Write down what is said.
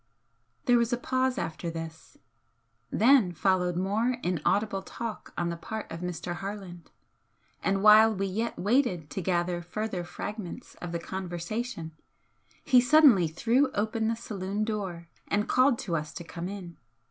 There was a pause after this. Then followed more inaudible talk on the part of Mr. Harland, and while we yet waited to gather further fragments of the conversation, he suddenly threw open the saloon door and called to us to come in.